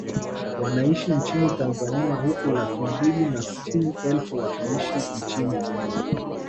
Wanaishi nchini Tanzania huku laki mbili na sitini elfu wakiishi nchini Kenya